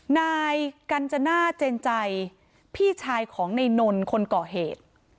นายกัญจนาเจนใจพี่ชายของในนนคนก่อเหตุ